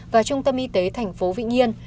và trung tâm y tế tp vĩnh yên